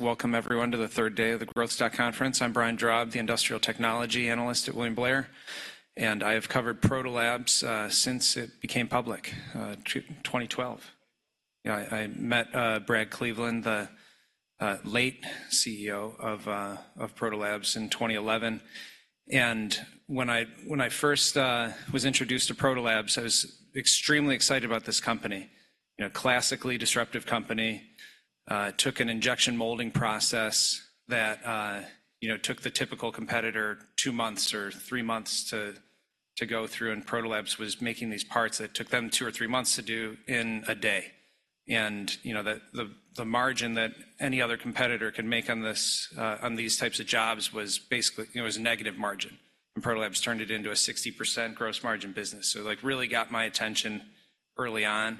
Welcome everyone to the third day of the Growth Stock Conference. I'm Brian Drab, the industrial technology analyst at William Blair, and I have covered Protolabs since it became public, 2012. You know, I met Brad Cleveland, the late CEO of Protolabs in 2011, and when I first was introduced to Protolabs, I was extremely excited about this company. You know, classically disruptive company took an injection molding process that you know took the typical competitor two months or three months to go through, and Protolabs was making these parts that took them two or three months to do in a day. And, you know, the margin that any other competitor could make on this, on these types of jobs was basically, you know, it was a negative margin, and Protolabs turned it into a 60% gross margin business. So, like, really got my attention early on,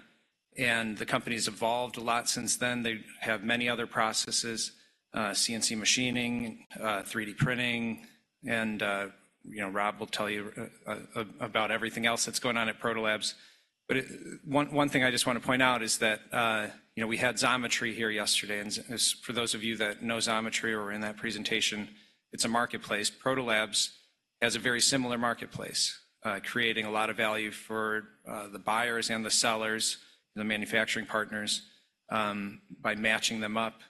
and the company's evolved a lot since then. They have many other processes, CNC machining, 3D printing, and, you know, Rob will tell you about everything else that's going on at Protolabs. But one thing I just want to point out is that, you know, we had Xometry here yesterday, and for those of you that know Xometry or were in that presentation, it's a marketplace. Protolabs has a very similar marketplace, creating a lot of value for, the buyers and the sellers, the manufacturing partners, by matching them up,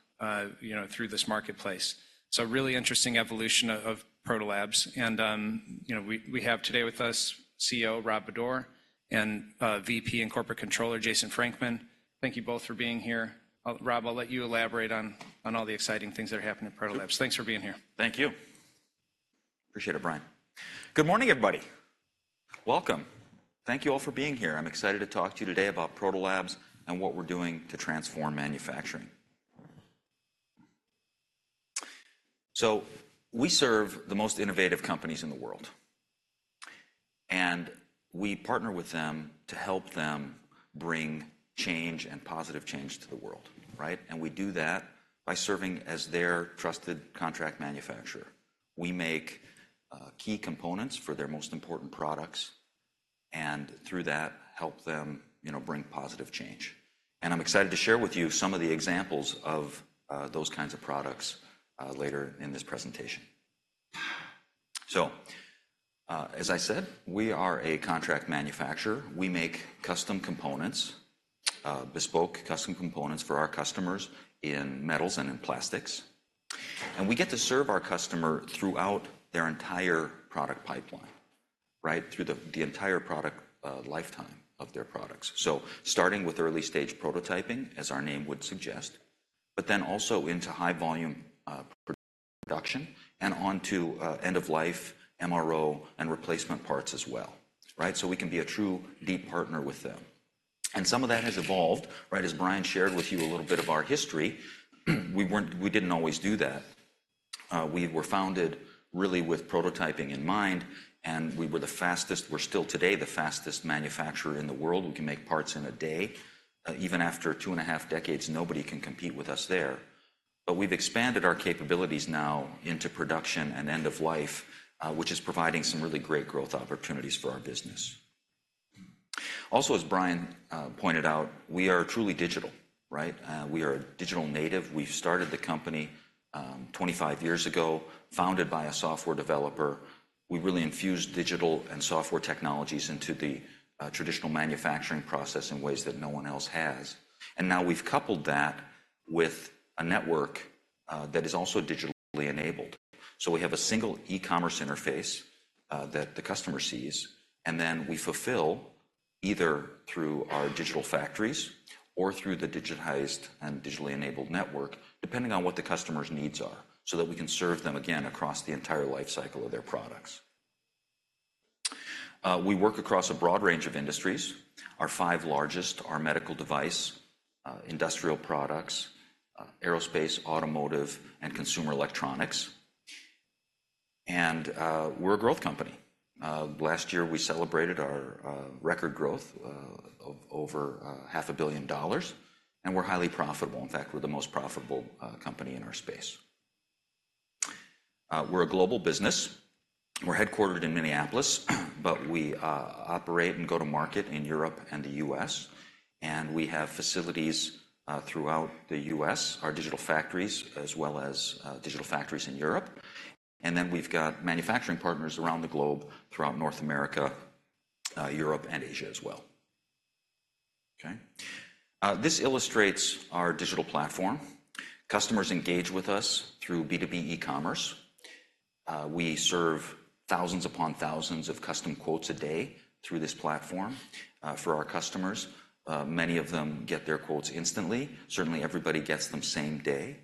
you know, through this marketplace. So a really interesting evolution of Protolabs and, you know, we have today with us CEO Rob Bodor and, VP and Corporate Controller, Jason Frankman. Thank you both for being here. Rob, I'll let you elaborate on all the exciting things that are happening at Protolabs. Thanks for being here. Thank you. Appreciate it, Brian. Good morning, everybody. Welcome. Thank you all for being here. I'm excited to talk to you today about Protolabs and what we're doing to transform manufacturing. So we serve the most innovative companies in the world, and we partner with them to help them bring change and positive change to the world, right? And we do that by serving as their trusted contract manufacturer. We make key components for their most important products, and through that, help them, you know, bring positive change. And I'm excited to share with you some of the examples of those kinds of products later in this presentation. So, as I said, we are a contract manufacturer. We make custom components, bespoke custom components for our customers in metals and in plastics, and we get to serve our customer throughout their entire product pipeline, right? Through the entire product lifetime of their products. So starting with early-stage prototyping, as our name would suggest, but then also into high volume production, and onto end-of-life MRO and replacement parts as well, right? So we can be a true deep partner with them. And some of that has evolved, right? As Brian shared with you a little bit of our history, we weren't. We didn't always do that. We were founded really with prototyping in mind, and we were the fastest... We're still today the fastest manufacturer in the world. We can make parts in a day. Even after 2.5 decades, nobody can compete with us there. But we've expanded our capabilities now into production and end of life, which is providing some really great growth opportunities for our business. Also, as Brian pointed out, we are truly digital, right? We are a digital native. We started the company 25 years ago, founded by a software developer. We really infused digital and software technologies into the traditional manufacturing process in ways that no one else has. And now we've coupled that with a network that is also digitally enabled. So we have a single e-commerce interface that the customer sees, and then we fulfill either through our digital factories or through the digitized and digitally enabled network, depending on what the customer's needs are, so that we can serve them again across the entire life cycle of their products. We work across a broad range of industries. Our five largest are medical device, industrial products, aerospace, automotive, and consumer electronics, and we're a growth company. Last year, we celebrated our record growth of over $500 million, and we're highly profitable. In fact, we're the most profitable company in our space. We're a global business. We're headquartered in Minneapolis, but we operate and go to market in Europe and the U.S., and we have facilities throughout the U.S., our digital factories, as well as digital factories in Europe. We've got manufacturing partners around the globe, throughout North America, Europe, and Asia as well. Okay, this illustrates our digital platform. Customers engage with us through B2B e-commerce. We serve thousands upon thousands of custom quotes a day through this platform for our customers. Many of them get their quotes instantly. Certainly, everybody gets them same day.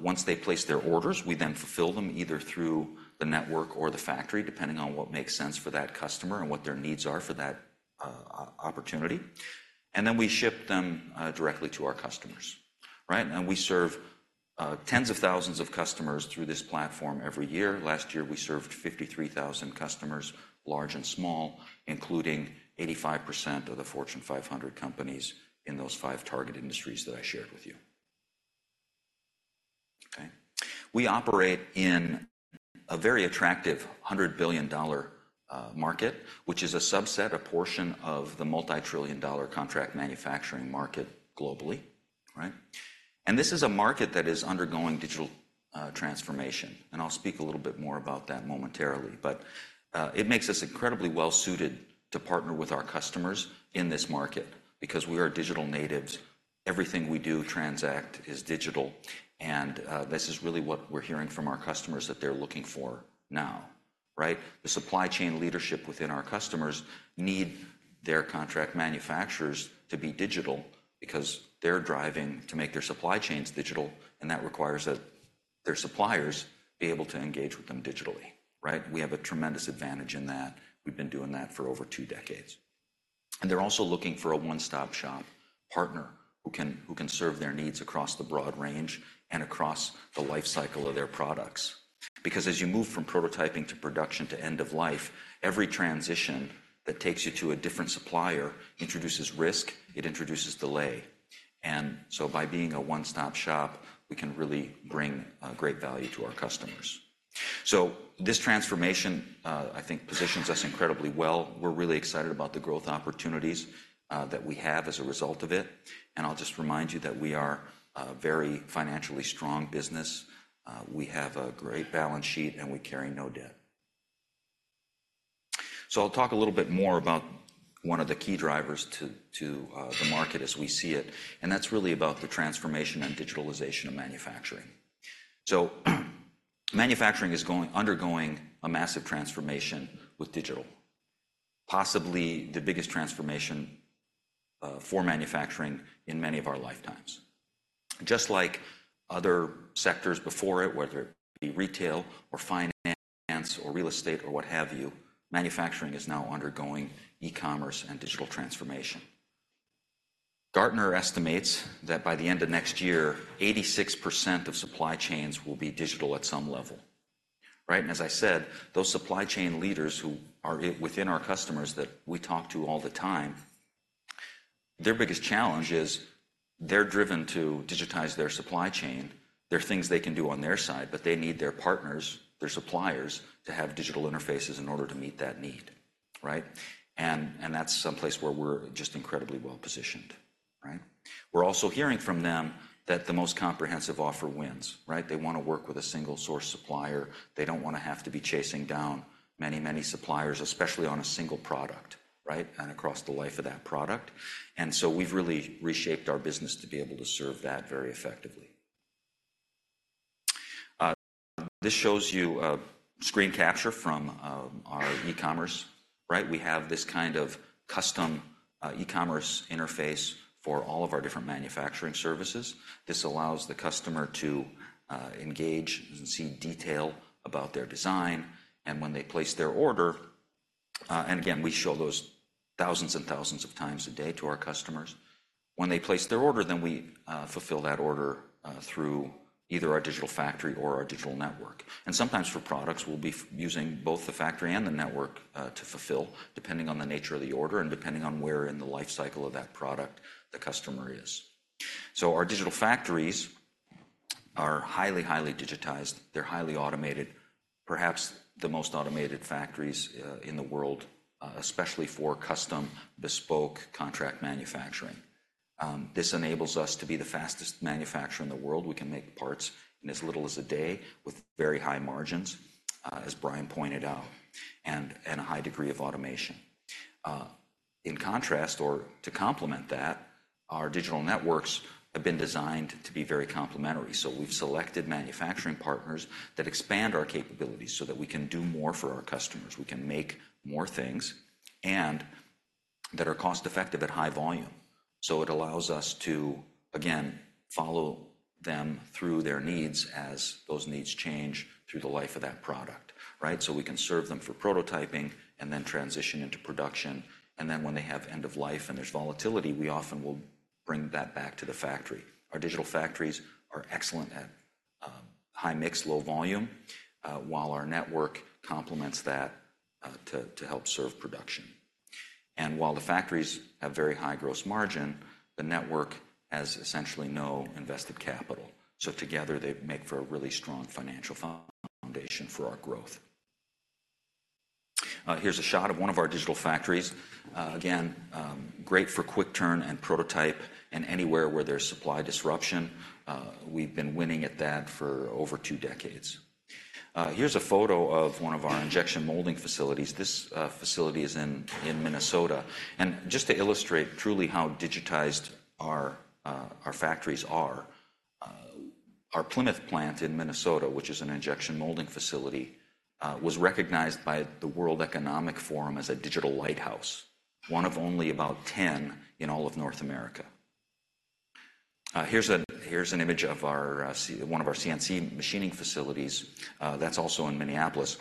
Once they place their orders, we then fulfill them either through the network or the factory, depending on what makes sense for that customer and what their needs are for that opportunity, and then we ship them directly to our customers, right? We serve tens of thousands of customers through this platform every year. Last year, we served 53,000 customers, large and small, including 85% of the Fortune 500 companies in those 5 target industries that I shared with you. Okay. We operate in a very attractive $100 billion market, which is a subset, a portion of the $multi-trillion-dollar contract manufacturing market globally, right? This is a market that is undergoing digital transformation, and I'll speak a little bit more about that momentarily. But, it makes us incredibly well-suited to partner with our customers in this market because we are digital natives. Everything we do, transact, is digital, and, this is really what we're hearing from our customers that they're looking for now, right? The supply chain leadership within our customers need their contract manufacturers to be digital because they're driving to make their supply chains digital, and that requires that their suppliers be able to engage with them digitally, right? We have a tremendous advantage in that. We've been doing that for over two decades. And they're also looking for a one-stop-shop partner who can, who can serve their needs across the broad range and across the life cycle of their products. Because as you move from prototyping to production to end of life, every transition that takes you to a different supplier introduces risk, it introduces delay. And so by being a one-stop shop, we can really bring great value to our customers. So this transformation, I think, positions us incredibly well. We're really excited about the growth opportunities that we have as a result of it, and I'll just remind you that we are a very financially strong business. We have a great balance sheet, and we carry no debt. So I'll talk a little bit more about one of the key drivers to the market as we see it, and that's really about the transformation and digitalization of manufacturing. So, manufacturing is undergoing a massive transformation with digital, possibly the biggest transformation for manufacturing in many of our lifetimes. Just like other sectors before it, whether it be retail or finance or real estate or what have you, manufacturing is now undergoing e-commerce and digital transformation. Gartner estimates that by the end of next year, 86% of supply chains will be digital at some level, right? And as I said, those supply chain leaders who are within our customers that we talk to all the time, their biggest challenge is they're driven to digitize their supply chain. There are things they can do on their side, but they need their partners, their suppliers, to have digital interfaces in order to meet that need, right? And that's someplace where we're just incredibly well-positioned, right? We're also hearing from them that the most comprehensive offer wins, right? They wanna work with a single-source supplier. They don't wanna have to be chasing down many, many suppliers, especially on a single product, right, and across the life of that product. And so we've really reshaped our business to be able to serve that very effectively. This shows you a screen capture from our e-commerce, right? We have this kind of custom e-commerce interface for all of our different manufacturing services. This allows the customer to engage and see detail about their design. And when they place their order, and again, we show those thousands and thousands of times a day to our customers. When they place their order, then we fulfill that order through either our digital factory or our digital network. And sometimes for products, we'll be using both the factory and the network to fulfill, depending on the nature of the order and depending on where in the life cycle of that product the customer is. So our digital factories are highly, highly digitized. They're highly automated, perhaps the most automated factories in the world, especially for custom, bespoke contract manufacturing. This enables us to be the fastest manufacturer in the world. We can make parts in as little as a day with very high margins, as Brian pointed out, and a high degree of automation. In contrast, or to complement that, our digital networks have been designed to be very complementary. So we've selected manufacturing partners that expand our capabilities so that we can do more for our customers. We can make more things, and that are cost-effective at high volume. So it allows us to, again, follow them through their needs as those needs change through the life of that product, right? So we can serve them for prototyping and then transition into production, and then when they have end of life and there's volatility, we often will bring that back to the factory. Our digital factories are excellent at high mix, low volume, while our network complements that to help serve production. And while the factories have very high gross margin, the network has essentially no invested capital. So together, they make for a really strong financial foundation for our growth. Here's a shot of one of our digital factories. Again, great for quick turn and prototype and anywhere where there's supply disruption. We've been winning at that for over two decades. Here's a photo of one of our injection molding facilities. This facility is in Minnesota. Just to illustrate truly how digitized our factories are, our Plymouth plant in Minnesota, which is an injection molding facility, was recognized by the World Economic Forum as a digital lighthouse, one of only about 10 in all of North America. Here's an image of our CNC machining facilities. That's also in Minneapolis.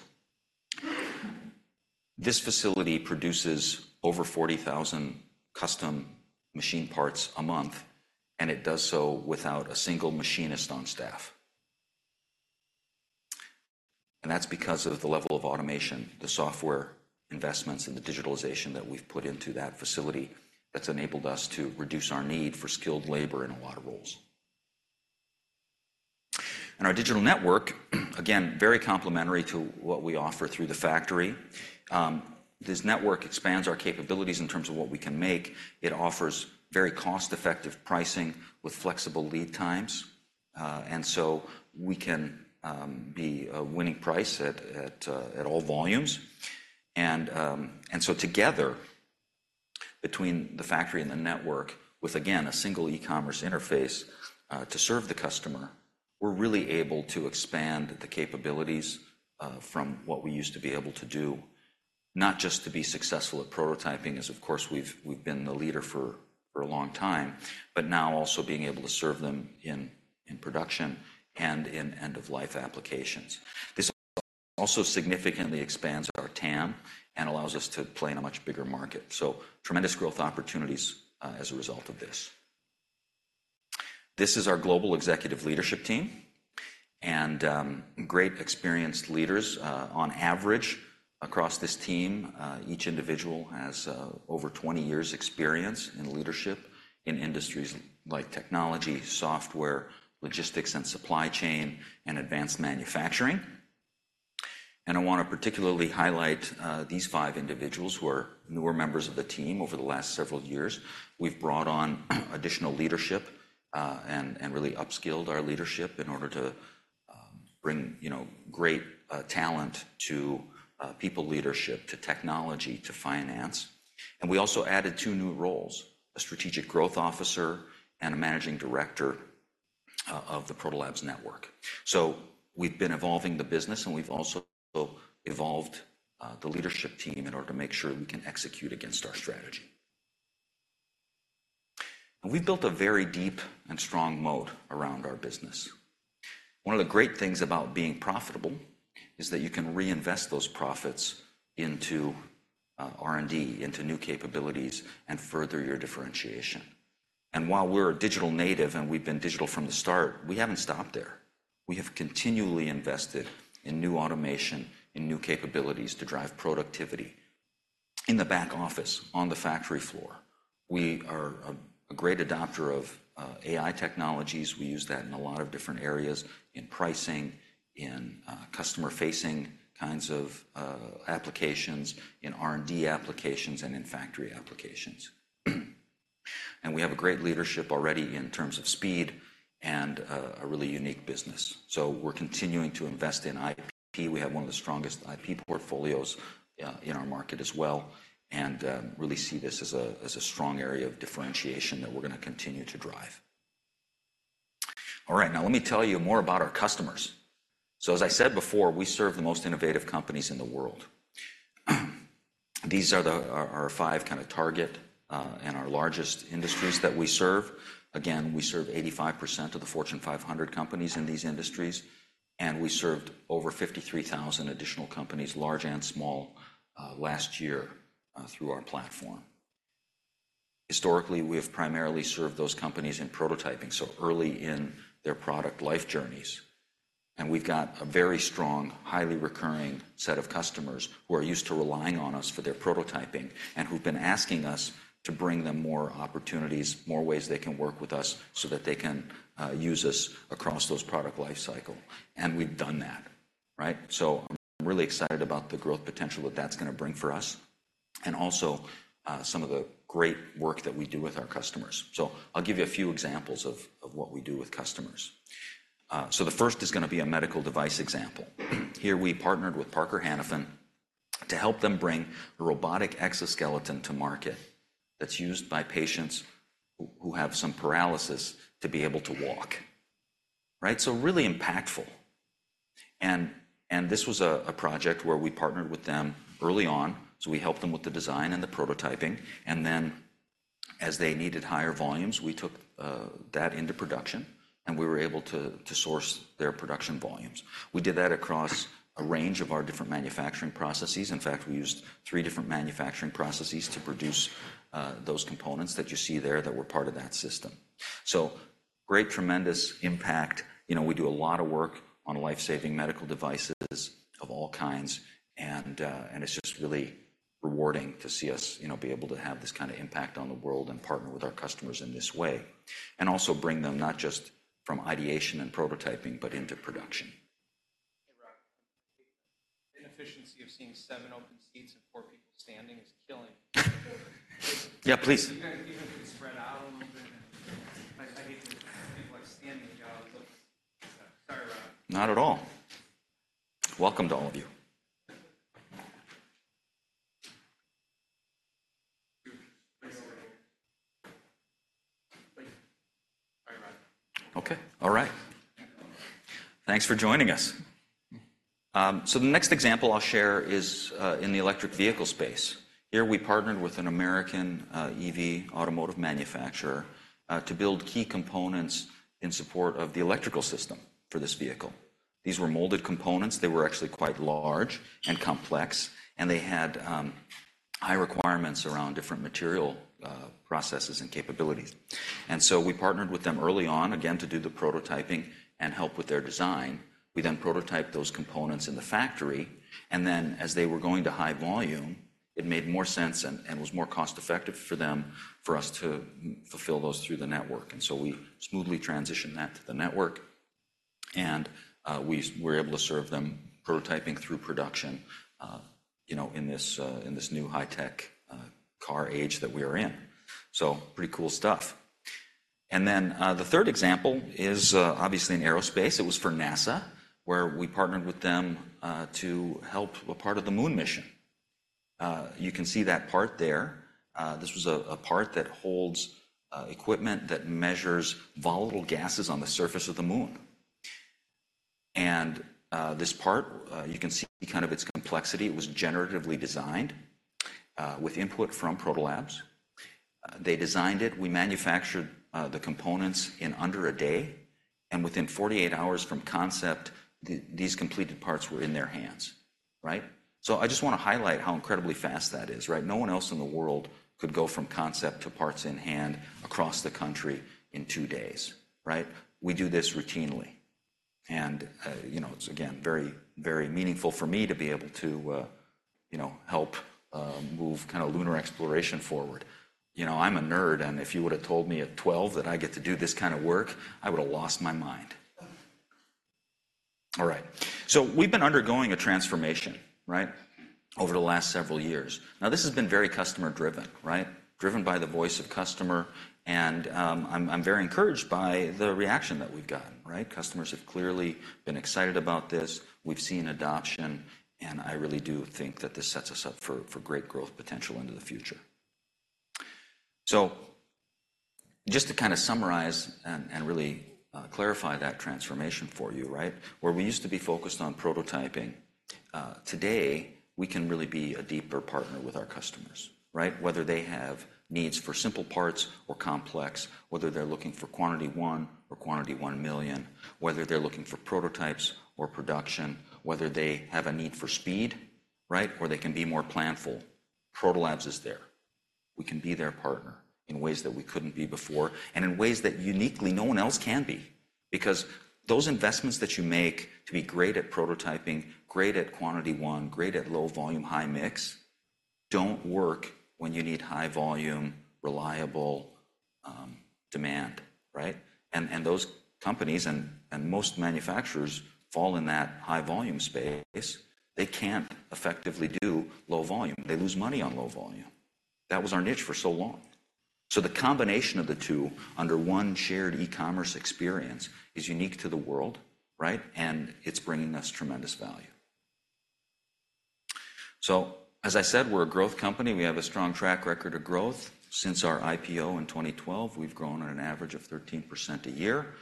This facility produces over 40,000 custom machine parts a month, and it does so without a single machinist on staff. That's because of the level of automation, the software investments, and the digitalization that we've put into that facility that's enabled us to reduce our need for skilled labor in a lot of roles. Our digital network, again, very complementary to what we offer through the factory. This network expands our capabilities in terms of what we can make. It offers very cost-effective pricing with flexible lead times. So we can be a winning price at all volumes. So together, between the factory and the network, with, again, a single e-commerce interface to serve the customer, we're really able to expand the capabilities from what we used to be able to do. Not just to be successful at prototyping, as, of course, we've been the leader for a long time, but now also being able to serve them in production and in end-of-life applications. This also significantly expands our TAM and allows us to play in a much bigger market, so tremendous growth opportunities as a result of this. This is our global executive leadership team, and great, experienced leaders. On average, across this team, each individual has over 20 years experience in leadership in industries like technology, software, logistics, and supply chain, and advanced manufacturing. I wanna particularly highlight these five individuals who are newer members of the team over the last several years. We've brought on additional leadership and really upskilled our leadership in order to bring, you know, great talent to people leadership, to technology, to finance. We also added two new roles: a strategic growth officer and a managing director of the Protolabs Network. We've been evolving the business, and we've also evolved the leadership team in order to make sure we can execute against our strategy. We've built a very deep and strong moat around our business. One of the great things about being profitable is that you can reinvest those profits into R&D, into new capabilities, and further your differentiation. And while we're a digital native, and we've been digital from the start, we haven't stopped there. We have continually invested in new automation and new capabilities to drive productivity. In the back office, on the factory floor, we are a great adopter of AI technologies. We use that in a lot of different areas, in pricing, in customer-facing kinds of applications, in R&D applications, and in factory applications. And we have a great leadership already in terms of speed and a really unique business, so we're continuing to invest in IP. We have one of the strongest IP portfolios in our market as well, and really see this as a strong area of differentiation that we're gonna continue to drive. All right, now let me tell you more about our customers. So as I said before, we serve the most innovative companies in the world. These are our five kinda target and our largest industries that we serve. Again, we serve 85% of the Fortune 500 companies in these industries, and we served over 53,000 additional companies, large and small, last year through our platform. Historically, we have primarily served those companies in prototyping, so early in their product life journeys, and we've got a very strong, highly recurring set of customers who are used to relying on us for their prototyping and who've been asking us to bring them more opportunities, more ways they can work with us so that they can use us across those product lifecycle. And we've done that, right? So I'm really excited about the growth potential that that's gonna bring for us and also some of the great work that we do with our customers. So I'll give you a few examples of what we do with customers. So the first is gonna be a medical device example. Here, we partnered with Parker Hannifin to help them bring a robotic exoskeleton to market that's used by patients who have some paralysis to be able to walk, right? So really impactful. This was a project where we partnered with them early on, so we helped them with the design and the prototyping, and then as they needed higher volumes, we took that into production, and we were able to source their production volumes. We did that across a range of our different manufacturing processes. In fact, we used 3 different manufacturing processes to produce those components that you see there that were part of that system. So great, tremendous impact. You know, we do a lot of work on life-saving medical devices of all kinds, and, and it's just really rewarding to see us, you know, be able to have this kind of impact on the world and partner with our customers in this way, and also bring them not just from ideation and prototyping, but into production. Hey, Rob, the inefficiency of seeing seven open seats and four people standing is killing me. Yeah, please. You guys, you guys could spread out a little bit. I hate to see people, like, standing. Sorry, Rob. Not at all. Welcome to all of you. Thanks. Thank you. All right, Rob. Okay. All right. Thanks for joining us. So the next example I'll share is in the electric vehicle space. Here, we partnered with an American EV automotive manufacturer to build key components in support of the electrical system for this vehicle. These were molded components. They were actually quite large and complex, and they had high requirements around different material processes and capabilities. And so we partnered with them early on, again, to do the prototyping and help with their design. We then prototyped those components in the factory, and then as they were going to high volume, it made more sense and was more cost-effective for them, for us to fulfill those through the network. And so we smoothly transitioned that to the network, and, we were able to serve them prototyping through production, you know, in this new high-tech car age that we are in. So pretty cool stuff. And then, the third example is obviously in aerospace. It was for NASA, where we partnered with them to help a part of the moon mission. You can see that part there. This was a part that holds equipment that measures volatile gases on the surface of the moon. And this part, you can see kind of its complexity. It was generatively designed with input from Protolabs. They designed it, we manufactured the components in under a day, and within 48 hours from concept, these completed parts were in their hands, right? So I just wanna highlight how incredibly fast that is, right? No one else in the world could go from concept to parts in hand across the country in two days, right? We do this routinely. And, you know, it's again, very, very meaningful for me to be able to, you know, help move kind of lunar exploration forward. You know, I'm a nerd, and if you would've told me at twelve that I get to do this kind of work, I would've lost my mind. All right. So we've been undergoing a transformation, right, over the last several years. Now, this has been very customer driven, right? Driven by the voice of customer, and, I'm very encouraged by the reaction that we've gotten, right? Customers have clearly been excited about this. We've seen adoption, and I really do think that this sets us up for great growth potential into the future. So just to kind of summarize and really clarify that transformation for you, right, where we used to be focused on prototyping, today, we can really be a deeper partner with our customers, right? Whether they have needs for simple parts or complex, whether they're looking for quantity one or quantity 1 million, whether they're looking for prototypes or production, whether they have a need for speed, right, or they can be more planful, Protolabs is there. We can be their partner in ways that we couldn't be before and in ways that uniquely no one else can be. Because those investments that you make to be great at prototyping, great at quantity one, great at low volume, high mix, don't work when you need high volume, reliable, demand, right? And those companies and most manufacturers fall in that high volume space. They can't effectively do low volume. They lose money on low volume. That was our niche for so long. So the combination of the two under one shared e-commerce experience is unique to the world, right? And it's bringing us tremendous value. So, as I said, we're a growth company. We have a strong track record of growth. Since our IPO in 2012, we've grown at an average of 13% a year.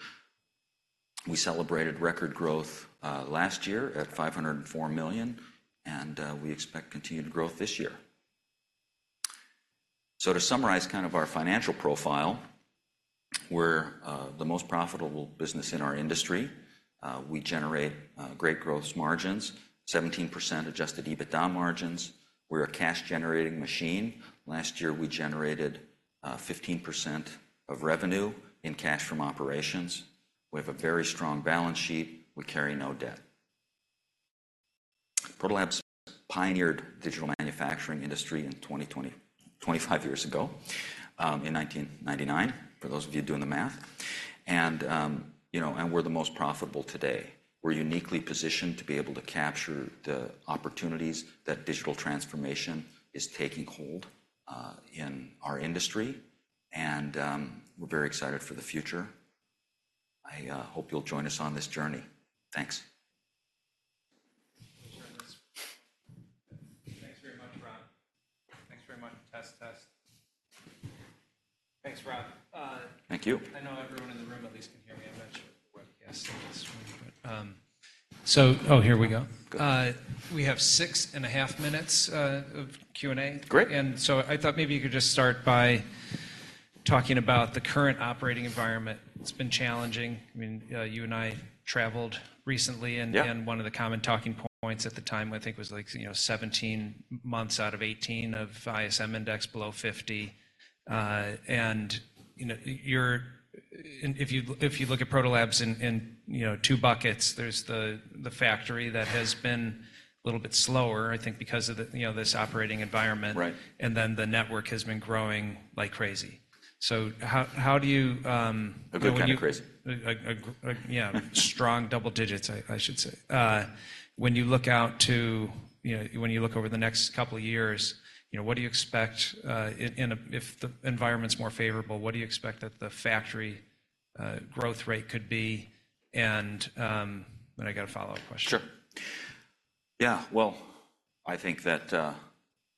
We celebrated record growth last year at $504 million, and we expect continued growth this year. So to summarize kind of our financial profile, we're the most profitable business in our industry. We generate great growth margins, 17% Adjusted EBITDA margins. We're a cash-generating machine. Last year, we generated 15% of revenue in cash from operations. We have a very strong balance sheet. We carry no debt. Protolabs pioneered digital manufacturing industry in 2020, 25 years ago, in 1999, for those of you doing the math. And, you know, and we're the most profitable today. We're uniquely positioned to be able to capture the opportunities that digital transformation is taking hold, in our industry, and, we're very excited for the future. I hope you'll join us on this journey. Thanks. Thanks very much, Rob. Thanks very much. Test, test. Thanks, Rob. Thank you. I know everyone in the room at least can hear me. I'm not sure what the answer is, but so, oh, here we go. We have 6.5 minutes of Q&A. Great. And so I thought maybe you could just start by talking about the current operating environment. It's been challenging. I mean, you and I traveled recently, and- Yeah... and one of the common talking points at the time, I think, was, like, you know, 17 months out of 18 of ISM Index below 50. And, you know, if you, if you look at Protolabs in, you know, two buckets, there's the factory that has been a little bit slower, I think because of the, you know, this operating environment. Right. And then the network has been growing like crazy. So how do you, when you- A good kind of crazy. Yeah, strong double digits, I should say. When you look over the next couple of years, you know, what do you expect in a, if the environment's more favorable, what do you expect that the factory growth rate could be? And then I got a follow-up question. Sure. Yeah, well, I think that,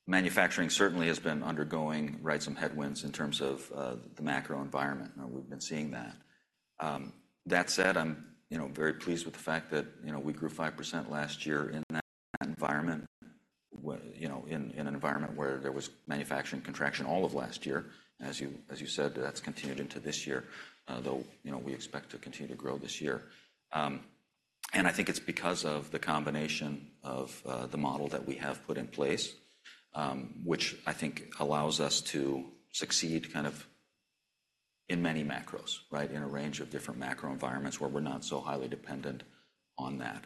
manufacturing certainly has been undergoing, right, some headwinds in terms of, the macro environment, and we've been seeing that. That said, I'm, you know, very pleased with the fact that, you know, we grew 5% last year in that environment, you know, in, in an environment where there was manufacturing contraction all of last year. As you, as you said, that's continued into this year, though, you know, we expect to continue to grow this year. And I think it's because of the combination of, the model that we have put in place, which I think allows us to succeed in many macros, right? In a range of different macro environments where we're not so highly dependent on that.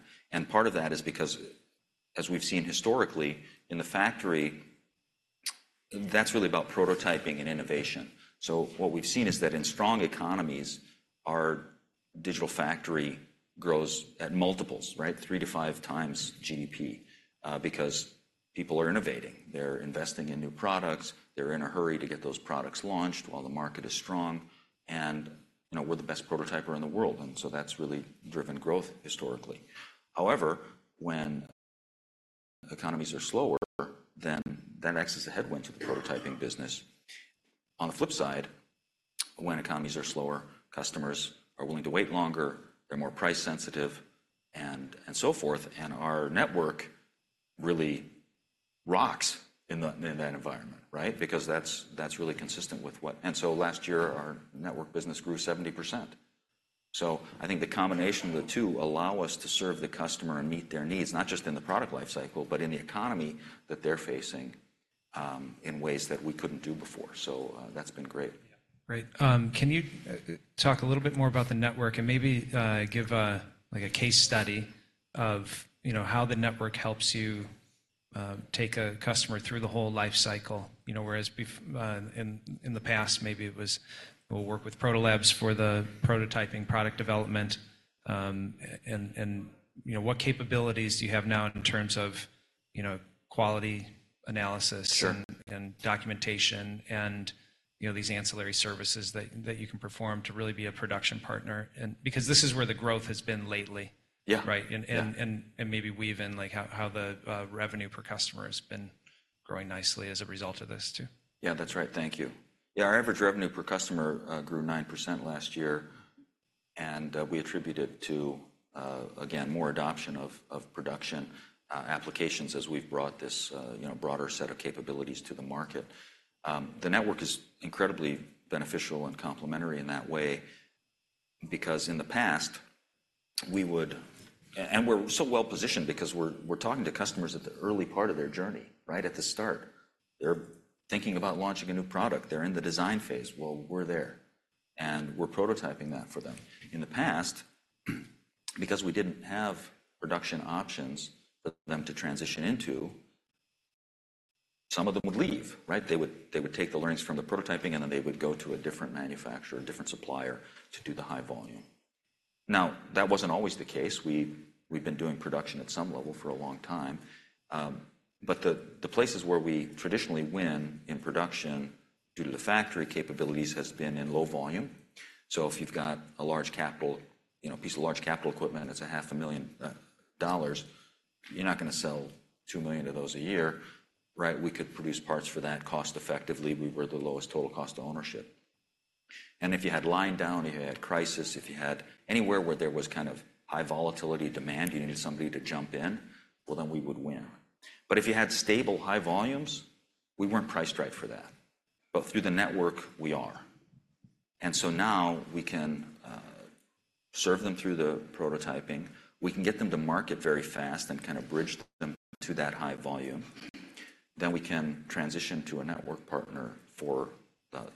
Part of that is because, as we've seen historically, in the factory, that's really about prototyping and innovation. So what we've seen is that in strong economies, our digital factory grows at multiples, right? 3x-5x GDP, because people are innovating, they're investing in new products, they're in a hurry to get those products launched while the market is strong, and, you know, we're the best prototyper in the world, and so that's really driven growth historically. However, when economies are slower, then that acts as a headwind to the prototyping business. On the flip side, when economies are slower, customers are willing to wait longer, they're more price sensitive, and, and so forth, and our network really rocks in that environment, right? Because that's really consistent with what. So last year, our network business grew 70%. So I think the combination of the two allow us to serve the customer and meet their needs, not just in the product life cycle, but in the economy that they're facing, in ways that we couldn't do before. So, that's been great. Yeah, great. Can you talk a little bit more about the network and maybe give a, like a case study of, you know, how the network helps you take a customer through the whole life cycle? You know, whereas before, in the past, maybe it was, we'll work with Protolabs for the prototyping product development, and you know, what capabilities do you have now in terms of, you know, quality analysis- Sure... and documentation, and, you know, these ancillary services that you can perform to really be a production partner, and because this is where the growth has been lately. Yeah. Right? Yeah. And maybe weave in, like, how the revenue per customer has been growing nicely as a result of this, too. Yeah, that's right. Thank you. Yeah, our average revenue per customer grew 9% last year, and we attribute it to again, more adoption of production applications as we've brought this, you know, broader set of capabilities to the market. The network is incredibly beneficial and complementary in that way, because in the past, we would and we're so well-positioned because we're talking to customers at the early part of their journey, right at the start. They're thinking about launching a new product. They're in the design phase. Well, we're there, and we're prototyping that for them. In the past, because we didn't have production options for them to transition into, some of them would leave, right? They would, they would take the learnings from the prototyping, and then they would go to a different manufacturer, a different supplier, to do the high volume. Now, that wasn't always the case. We've, we've been doing production at some level for a long time. But the places where we traditionally win in production, due to the factory capabilities, has been in low volume. So if you've got a large capital, you know, piece of large capital equipment that's $500,000, you're not gonna sell 2 million of those a year. Right, we could produce parts for that cost effectively. We were the lowest total cost of ownership. And if you had line down, if you had crisis, if you had anywhere where there was kind of high volatility demand, you needed somebody to jump in, well, then we would win. But if you had stable, high volumes, we weren't priced right for that. But through the network, we are. And so now we can serve them through the prototyping. We can get them to market very fast and kind of bridge them to that high volume. Then we can transition to a network partner for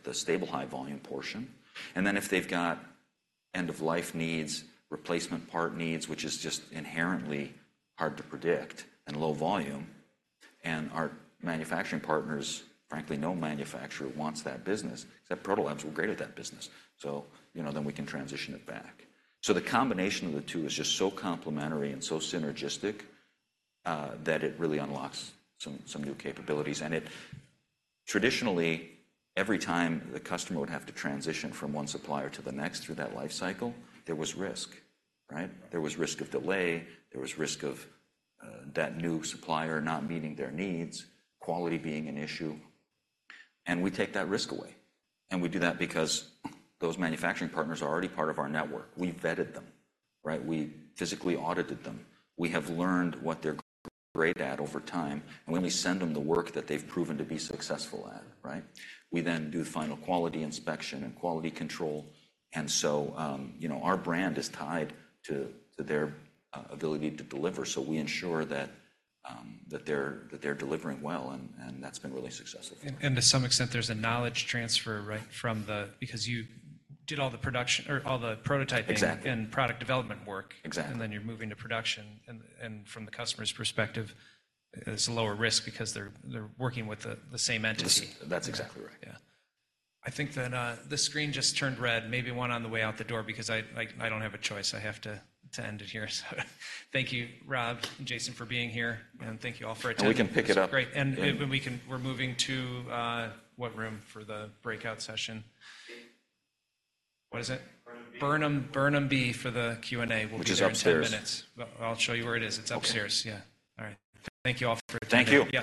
the stable, high-volume portion, and then if they've got end-of-life needs, replacement part needs, which is just inherently hard to predict and low volume, and our manufacturing partners, frankly, no manufacturer wants that business, except Protolabs, we're great at that business, so you know, then we can transition it back. So the combination of the two is just so complementary and so synergistic that it really unlocks some new capabilities. Traditionally, every time the customer would have to transition from one supplier to the next through that life cycle, there was risk, right? There was risk of delay, there was risk of that new supplier not meeting their needs, quality being an issue, and we take that risk away, and we do that because those manufacturing partners are already part of our network. We vetted them, right? We physically audited them. We have learned what they're great at over time, and when we send them the work that they've proven to be successful at, right? We then do the final quality inspection and quality control. And so, you know, our brand is tied to, to their ability to deliver, so we ensure that that they're, they're delivering well, and, and that's been really successful. And to some extent, there's a knowledge transfer, right, from the... Because you did all the production or all the prototyping- Exactly... and product development work. Exactly. And then you're moving to production, and from the customer's perspective, it's a lower risk because they're working with the same entity. That's exactly right. Yeah. I think that, the screen just turned red. Maybe one on the way out the door, because I don't have a choice. I have to end it here, so thank you, Rob and Jason, for being here, and thank you all for attending. We can pick it up. It's great. We're moving to what room for the breakout session? B. What is it? Burnham B. Burnham, Burnham B for the Q&A. Which is upstairs. We'll be there in 10 minutes. I'll show you where it is. Okay. It's upstairs, yeah. All right. Thank you all for attending. Thank you.